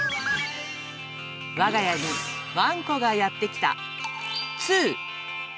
我が家にワンコがやって来た２。